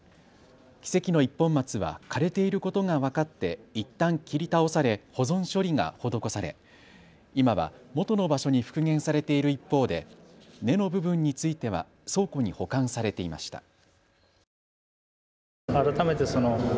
奇跡の一本松は枯れていることが分かっていったん切り倒され保存処理が施され今はもとの場所に復元されている一方で根の部分については倉庫に保管されていました。